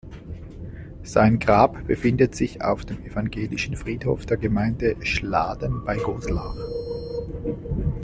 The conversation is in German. Sein Grab befindet sich auf dem evangelischen Friedhof der Gemeinde Schladen bei Goslar.